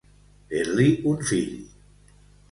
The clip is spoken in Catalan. Fer-li un fill.